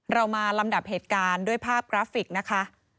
เรามาลำดับเหตุการณ์ด้วยภาพกราฟิกนะคะ